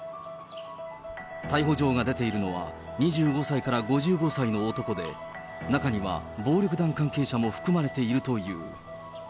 逮捕状が出ているのは、２５歳から５５歳の男で、中には暴力団関係者も含まれているという。